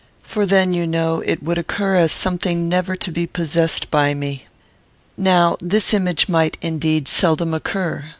For then, you know, it would occur as something never to be possessed by me. "Now, this image might, indeed, seldom occur.